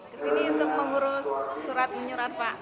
kesini untuk mengurus surat menyurat pak